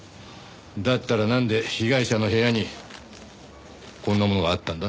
だったらなんで被害者の部屋にこんなものがあったんだ？